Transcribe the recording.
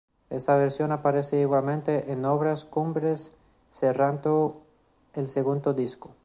Esta versión aparece igualmente en "Obras Cumbres", cerrando el segundo disco.